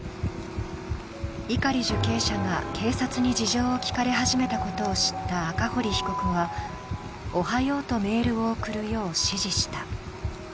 碇受刑者が警察に事情を聴かれ始めたことを知った赤堀被告は「おはよう」とメールを送るよう指示した。